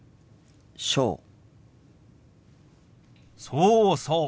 そうそう。